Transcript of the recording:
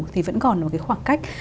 thì vẫn còn một cái khoảng cách